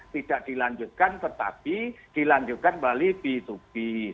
tidak dilanjutkan tetapi dilanjutkan balik ditubing